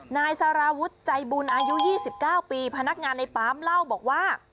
นายสารวุฒิใจบุญอายุ๒๙ปีพนักงานในปั๊มเล่าบอกว่า